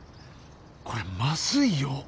これまずいよ。